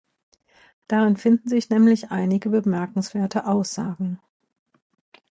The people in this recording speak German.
Darin finden sich nämlich einige bemerkenswerte Aussagen.